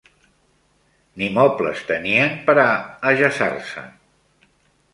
Ni mobles tenien per a ajaçar-se